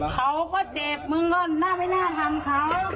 เขาก็เจ็บมึงก็น่าไม่น่าทำเขา